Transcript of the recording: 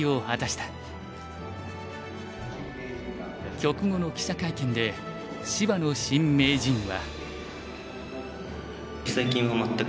局後の記者会見で芝野新名人は。